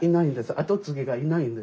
後継ぎがいないんです。